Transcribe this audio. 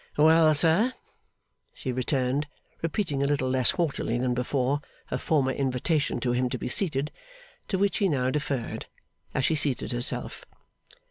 'Well, sir,' she returned, repeating a little less haughtily than before her former invitation to him to be seated: to which he now deferred, as she seated herself.